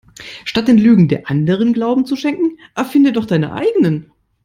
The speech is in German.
Statt den Lügen der Anderen Glauben zu schenken erfinde doch deine eigenen.